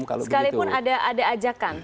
sekalipun ada ajakan